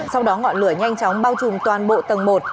sau đó ngọn lửa nhanh chóng bao trùm toàn bộ tầng một